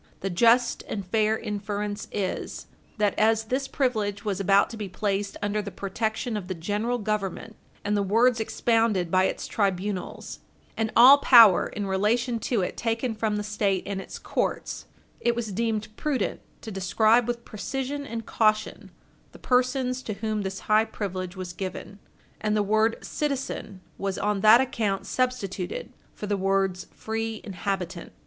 The just and fair inference is that as this privilege was about to be placed under the protection of the General Government, and the words expounded by its tribunals, and all power in relation to it taken from the State and its courts, it was deemed prudent to describe with precision and caution the persons to whom this high privilege was given and the word citizen was on that account substituted for the words free inhabitant.